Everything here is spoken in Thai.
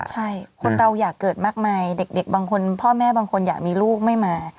ใช่คนเราอยากเกิดมากมายเด็กบางคนพ่อแม่บางคนอยากมีลูกไม่มา